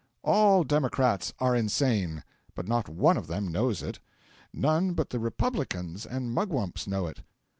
All democrats are insane, but not one of them knows it; none but the republicans and mugwumps know it.